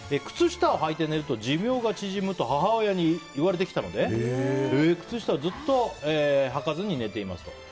靴下をはいて寝ると寿命が縮むと母親に言われてきたので靴下をずっとはかずに寝ていますと。